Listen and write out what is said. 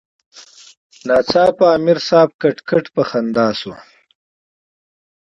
ناڅاپه امیر صېب ټق ټق پۀ خندا شۀ ـ